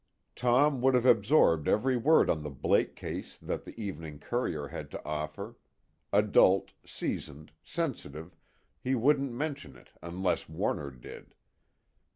Tom would have absorbed every word on the Blake case that the evening Courier had to offer; adult, seasoned, sensitive, he wouldn't mention it unless Warner did.